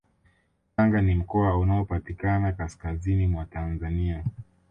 Tanga ni mkoa unaopatikana kaskazini mwa Tanzania